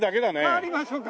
代わりましょうか。